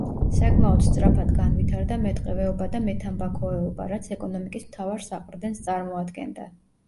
საკმაოდ სწრაფად განვითარდა მეტყევეობა და მეთამბაქოეობა, რაც ეკონომიკის მთავარ საყრდენს წარმოადგენდა.